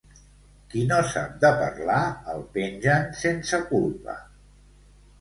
Qui no sap de parlar, el pengen sense culpa.